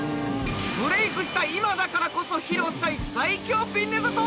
ブレイクした今だからこそ披露したい最強ピンネタとは！？